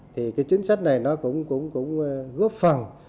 thì chính sách này cũng góp phần